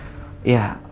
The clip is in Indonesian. maka dia bakal beli belah